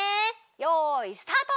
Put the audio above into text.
よいスタート！